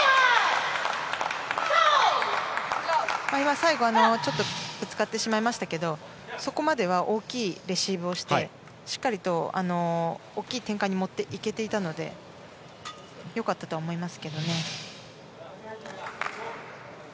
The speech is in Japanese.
最後、ちょっとぶつかってしまいましたけどそこまでは大きいレシーブをしてしっかりと大きい展開に持っていけたので良かったと思いますけどね。